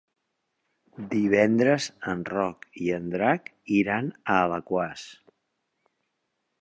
Divendres en Roc i en Drac iran a Alaquàs.